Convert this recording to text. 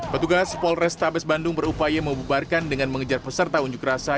petugas polres tabes bandung berupaya memubarkan dengan mengejar peserta unjuk rasa